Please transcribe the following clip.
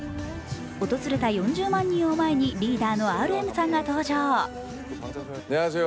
訪れた４０万人を前にリーダーのＲＭさんが登場。